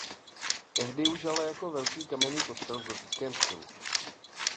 Tehdy už ale jako velký kamenný kostel v gotickém stylu.